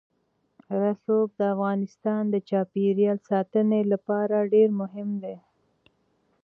رسوب د افغانستان د چاپیریال ساتنې لپاره ډېر مهم دي.